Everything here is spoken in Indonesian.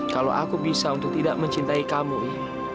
kalau aku bisa untuk tidak mencintai kamu ini